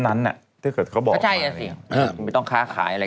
ถ้าเกิดเขาบอกมา